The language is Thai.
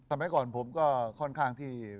เมื่อก่อนผมก็ค่อนข้างที่